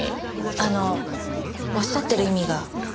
あのおっしゃってる意味が。